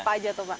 apa aja tuh pak